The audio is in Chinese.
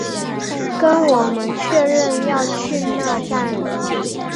跟我们确认要去那站